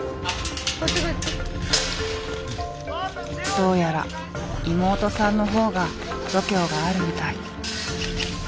どうやら妹さんの方が度胸があるみたい。